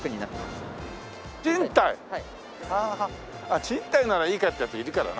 賃貸ならいいかってヤツいるからな。